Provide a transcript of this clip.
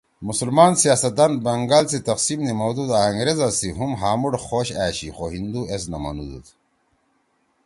مسلمان سیاست دان بنگال سی تقسیم نیِمؤدُود آں انگریزا سی ہُم ہامُو خوش أشی خو ہندو ایس نہ منُودُود